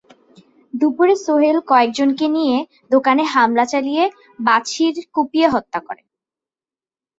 দুপুরে সোহেল কয়েকজনকে নিয়ে দোকানে হামলা চালিয়ে বাছির কুপিয়ে হত্যা করে।